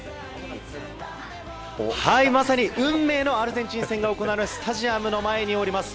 まさに運命のアルゼンチン戦が行われるスタジアムの前におります。